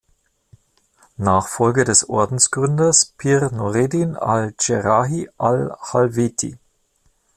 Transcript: Nachfolger des Ordensgründers Pir Nureddin al-Dscherrahi al-Halveti.